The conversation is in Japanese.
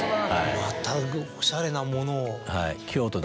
またおしゃれなものを。